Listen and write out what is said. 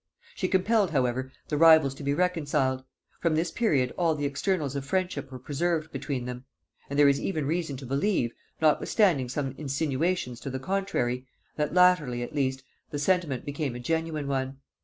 She compelled however the rivals to be reconciled: from this period all the externals of friendship were preserved between them; and there is even reason to believe, notwithstanding some insinuations to the contrary, that latterly at least the sentiment became a genuine one.